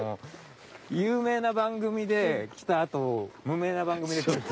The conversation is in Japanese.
有名な番組で来たあと無名な番組で来るって。